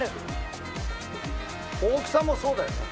大きさもそうだよね。